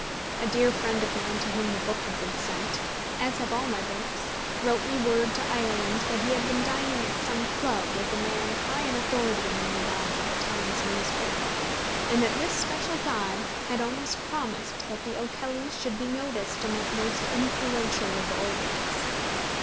A dear friend of mine to whom the book had been sent as have all my books wrote me word to Ireland that he had been dining at some club with a man high in authority among the gods of the Times newspaper, and that this special god had almost promised that The O'Kellys should be noticed in that most influential of "organs."